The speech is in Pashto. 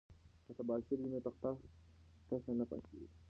که تباشیر وي نو تخته تشه نه پاتیږي.